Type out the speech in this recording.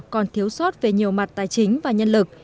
còn thiếu sót về nhiều mặt tài chính và nhân lực